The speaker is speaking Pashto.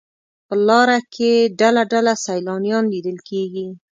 په لاره کې ډله ډله سیلانیان لیدل کېږي.